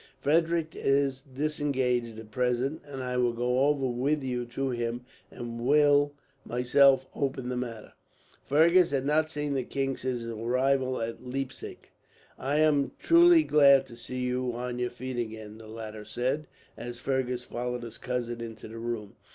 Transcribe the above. Frederick is disengaged at present, and I will go over with you to him, and will myself open the matter." Fergus had not seen the king since his arrival at Leipzig. "I am truly glad to see you on your feet again," the latter said, as Fergus followed his cousin into the room.